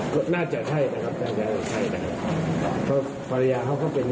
เป็นพยาบาล